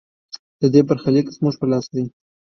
د دې برخلیک زموږ په لاس کې دی؟